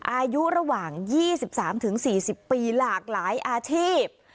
อายุระหว่าง๒๓๔๐ปีหลากหลายอาชีพ